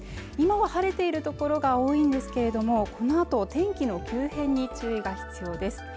今は晴れている所が多いんですけれどもこのあと天気の急変に注意が必要です